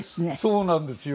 そうなんですよ。